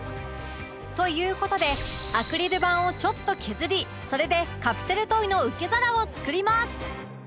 という事でアクリル板をちょっと削りそれでカプセルトイの受け皿を作ります